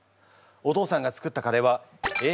お父さんが作ったカレーはＡＢＣ